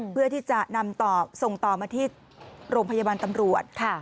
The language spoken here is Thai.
เพื่อที่จะนำต่อส่งต่อมาที่โรงพยาบาลตำรวจ